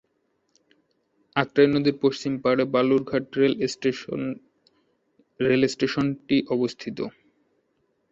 আত্রাই নদীর পশ্চিম পাড়ে বালুরঘাট রেল স্টেশন রেলস্টেশনটি অবস্থিত।